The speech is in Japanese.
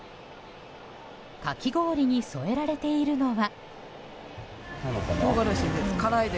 かき氷に添えられているのは。